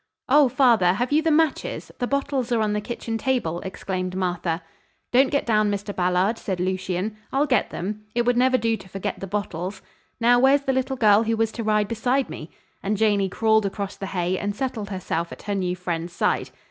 "Oh, father, have you the matches? The bottles are on the kitchen table," exclaimed Martha. "Don't get down, Mr. Ballard," said Lucien. "I'll get them. It would never do to forget the bottles. Now, where's the little girl who was to ride beside me?" and Janey crawled across the hay and settled herself at her new friend's side.